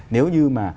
nếu như mà